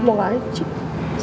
ya allah ya tuhan